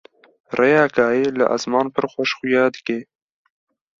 rêya kayê li ezman pir xweş xuya dike